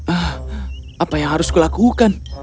ah apa yang harus kulakukan